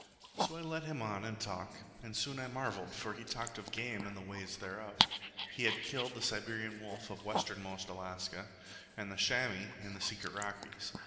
So I led him on in talk, and soon I marvelled, for he talked of game and the ways thereof. He had killed the Siberian wolf of westernmost Alaska, and the chamois in the secret Rockies.